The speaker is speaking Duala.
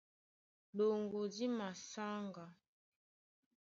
Ɗoŋgo dí masáŋga.